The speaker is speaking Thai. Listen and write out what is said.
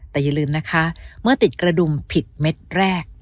แต่อย่าลืมนะคะเมื่อติดกระดุมผิดเม็ดแรก